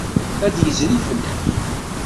Ad d-yezri fell-ak.